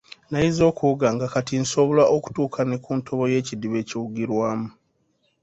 Nayize okuwuga nga kati nsobola okutuuka ne ku ntobo y'ekidiba ekiwugirwamu.